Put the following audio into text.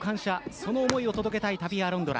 その思いを届けたいタピア・アロンドラ。